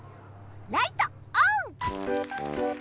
ライトオン！